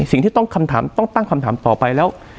สิ่งที่ต้องตั้งคำถามต่อไปแล้ว